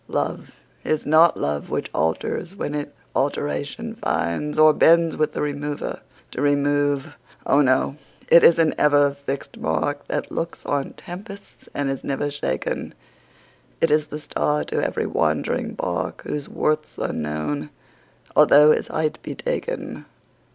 Love is not love Which alters when it alteration finds, Or bends with the remover to remove: O, no! it is an ever fixed mark, That looks on tempests and is never shaken; It is the star to every wandering bark, Whose worth's unknown, although his height be taken.